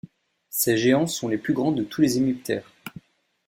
Ces géants sont les plus grands de tous les hémiptères.